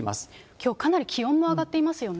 きょうかなり気温が上がっていますよね。